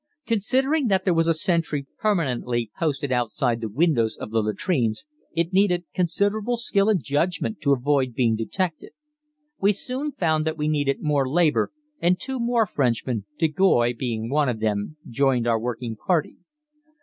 Considering that there was a sentry permanently posted outside the windows of the latrines it needed considerable skill and judgment to avoid being detected. We soon found that we needed more labor, and two more Frenchmen, de Goys being one of them, joined our working party.